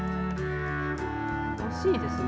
欲しいですよね。